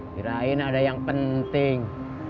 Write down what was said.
kirain ada yang penting